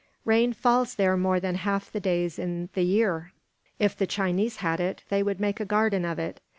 Rain falls there more than half the days in the year. If the Chinese had it, they would make a garden of it.